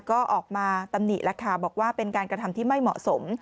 ก็ออกมาตำหนิแล้วค่ะบอกว่าเป็นการกระทำที่ไม่เหมาะสม